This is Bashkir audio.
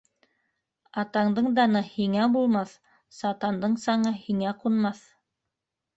Атандың даны һиңә булмаҫ, сатандың саңы һиңә ҡунмаҫ!